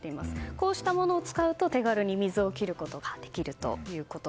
こうしたものを使うと手軽に水を切ることができると。